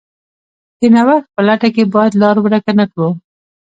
د نوښت په لټه کې باید لار ورکه نه کړو.